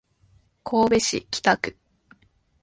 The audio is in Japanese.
神戸市北区